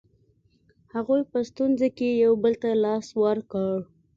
هغوی په ستونزو کې یو بل ته لاس ورکړ.